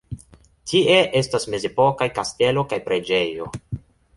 Tie estas mezepokaj kastelo kaj preĝejo.